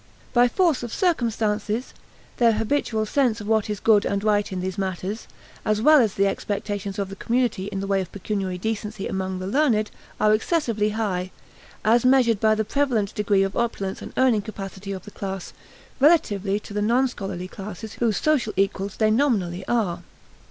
By force of circumstances, their habitual sense of what is good and right in these matters, as well as the expectations of the community in the way of pecuniary decency among the learned, are excessively high as measured by the prevalent degree of opulence and earning capacity of the class, relatively to the non scholarly classes whose social equals they nominally are.